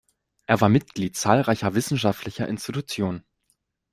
Er war Mitglied zahlreicher wissenschaftlicher Institutionen.